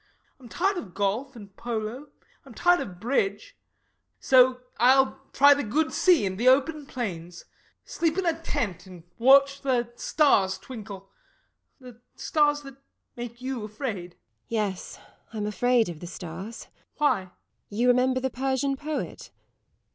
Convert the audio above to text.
I'm tired of golf and polo; I'm tired of bridge. So I'll try the good sea and the open plains; sleep in a tent and watch the stars twinkle the stars that make you afraid. LADY TORMINSTER. Yes, I'm afraid of the stars. SIR GEOFFREY. Why? LADY TORMINSTER. You remember the Persian poet?